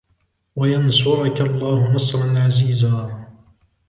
وَيَنْصُرَكَ اللَّهُ نَصْرًا عَزِيزًا